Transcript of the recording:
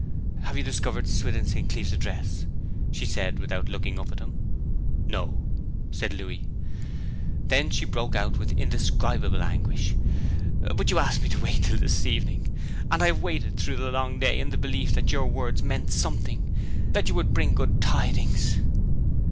'Have you discovered Swithin St. Cleeve's address?' she said, without looking up at him. 'No,' said Louis. Then she broke out with indescribable anguish: 'But you asked me to wait till this evening; and I have waited through the long day, in the belief that your words meant something, and that you would bring good tidings!